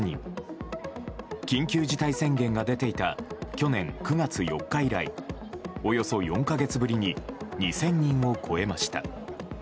緊急事態宣言が出ていた去年９月４日以来およそ４か月ぶりに２０００人を超えました。